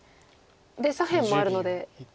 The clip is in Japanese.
で左辺もあるので。